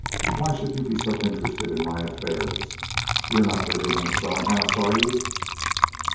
"Why should you be so interested in my affairs? You're not living in a stone house, are you?"